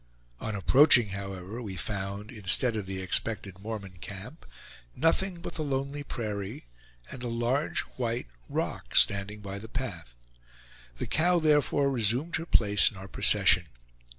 On approaching, however, we found, instead of the expected Mormon camp, nothing but the lonely prairie, and a large white rock standing by the path. The cow therefore resumed her place in our procession.